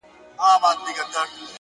ته به په فکر وې ـ چي څنگه خرابيږي ژوند ـ